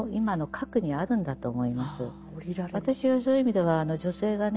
私はそういう意味では女性がね